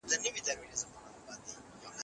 قومانده باید په نرمۍ سره ورکړل سي.